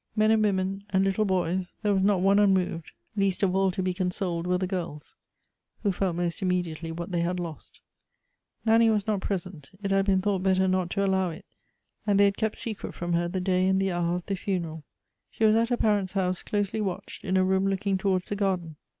Men and women, and little boys, there was not one unmoved ; least of all to be consoled were the girls, who felt most immediately what they had lost. Nanny was not present ; it had been thought better not to allow it, and they had kept secret from her the day and the hour of the funeral. She was at her parents' house, closely watched, in a room looking towards the garden.